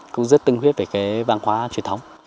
cũng rất tương huyết về văn hóa truyền thống